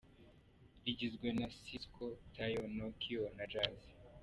Rigizwe na Sisqo, Taio, Nokio na Jazz.